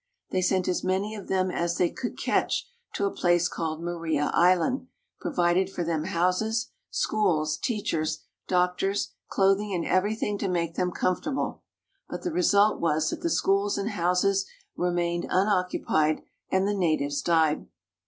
They sent as many of them as they conld catch to a place called Maria Island, provided for them houses, schools, teachers, doctors, clothing and everything to make them comfortable, but the result was that the schools and houses remained unoccupied and the natives died.